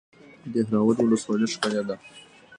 د دهراوود ولسوالۍ ښکلې ده